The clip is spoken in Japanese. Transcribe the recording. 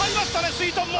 すいとんも。